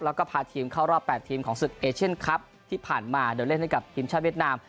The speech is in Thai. แล้วก็พาทีมเข้ารอบ๘ทีมของศึกเอเชียนคลับที่ผ่านมาโดยเล่นให้กับทีมชาติเวียดนาม